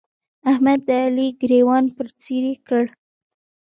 احمد د علي ګرېوان پر څيرې کړ.